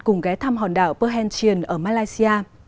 cùng ghé thăm hòn đảo perhentian ở malaysia